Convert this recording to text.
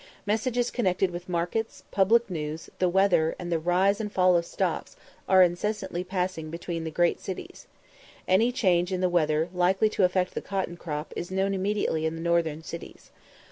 Messages connected with markets, public news, the weather, and the rise and fall of stocks, are incessantly passing between the great cities. Any change in the weather likely to affect the cotton crop is known immediately in the northern cities.